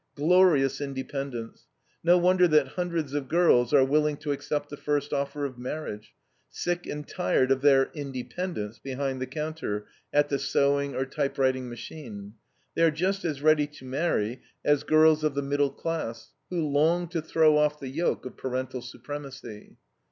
Glorious independence! No wonder that hundreds of girls are willing to accept the first offer of marriage, sick and tired of their "independence" behind the counter, at the sewing or typewriting machine. They are just as ready to marry as girls of the middle class, who long to throw off the yoke of parental supremacy.